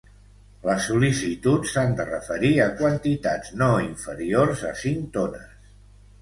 Les sol·licituds s'han de referir a quantitats no inferiors a cinc tones.